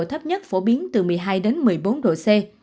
thấp nhất phổ biến từ một mươi hai đến một mươi bốn độ c